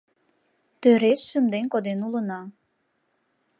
Тӧреш шынден коден улына.